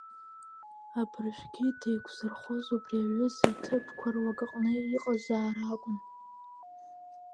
Абыржәгьы деиқәзырхоз убри аҩыза аҭыԥқәа руак аҟны иҟазаара акәын.